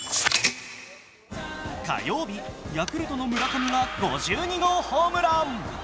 火曜日、ヤクルトの村上が５２号ホームラン。